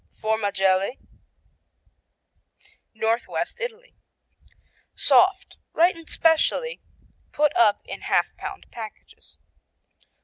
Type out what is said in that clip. Formagelle Northwest Italy Soft, ripened specialty put up in half pound packages.